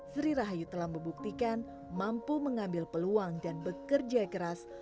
sri rahayu telah membuktikan mampu mengambil peluang dan bekerja keras